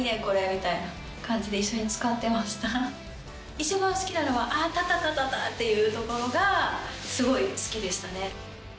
一番好きなのはアタタタっていうところがすごい好きでしたね。